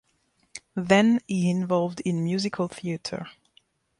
Then he involved in musical theater.